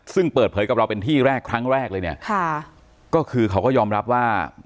ซึ่งเปิดเผยกับเราเป็นที่แรกครั้งแรกเลยเนี่ยค่ะก็คือเขาก็ยอมรับว่า